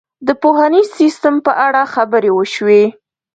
د پوهنیز سیستم په اړه خبرې وشوې.